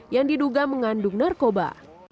yang diduga mengandung narkoba